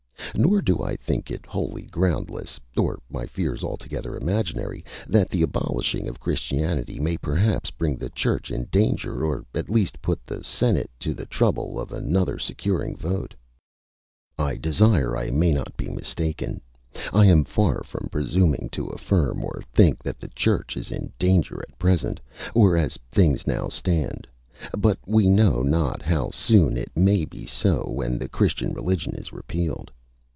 Nor do I think it wholly groundless, or my fears altogether imaginary, that the abolishing of Christianity may perhaps bring the Church in danger, or at least put the Senate to the trouble of another securing vote. I desire I may not be mistaken; I am far from presuming to affirm or think that the Church is in danger at present, or as things now stand; but we know not how soon it may be so when the Christian religion is repealed.